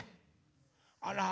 あら？